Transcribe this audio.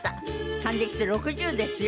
還暦って６０ですよ。